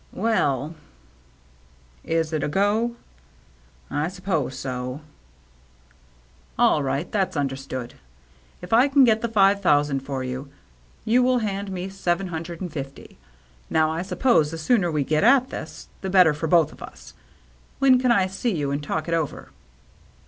"Well —"« Is it a go ?"" I suppose so." "All right. That's understood. If I can get the five thousand for you, you will hand me seven hundred and fifty. Now, I suppose the sooner we get at this, the better for both of us. When can I see you and talk it over?"